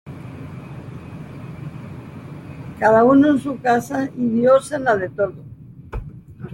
Cada uno en su casa, y Dios en la de todos.